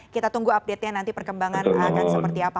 kita tunggu update nya nanti perkembangan akan seperti apa